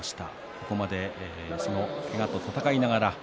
ここまで、そのけがと闘いながら。